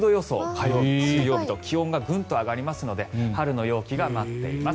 火曜日、水曜日と気温がグンと上がるので春の陽気が待っています。